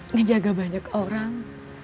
menjaga banyak orang